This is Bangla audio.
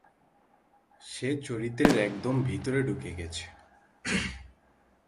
সে চরিত্রের একদম ভিতরে ঢুকে গেছে।